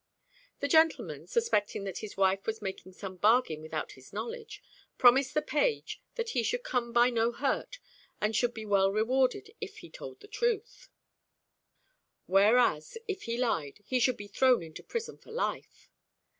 The gentleman, suspecting that his wife was making some bargain without his knowledge, promised the page that he should come by no hurt, and should be well rewarded, if he told the truth; whereas, if he lied, he should be thrown into prison for life.